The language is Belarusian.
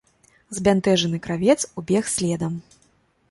Збянтэжаны кравец убег следам.